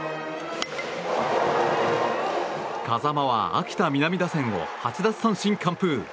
風間は秋田南打線を８奪三振完封。